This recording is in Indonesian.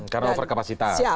karena over kapasitas